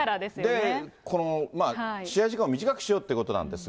で、試合時間を短くしようということなんですが。